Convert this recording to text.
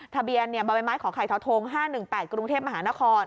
ทะเบียนเนี้ยบรรเมตรของไข่เทาทงห้าหนึ่งแปดกรุงเทพมหานคร